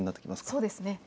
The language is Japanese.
そうですね。